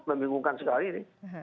membingungkan sekali ini